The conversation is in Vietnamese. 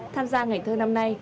tham gia ngày thơ năm nay